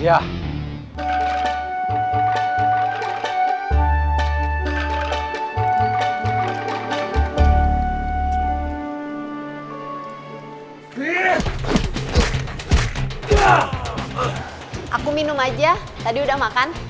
aku minum aja tadi udah makan